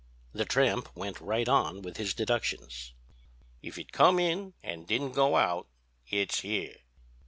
"The tramp went right on with his deductions: "'If it come in and didn't go out, it's here.'